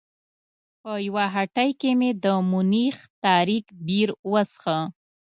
په یوه هټۍ کې مې د مونیخ تاریک بیر وڅښه.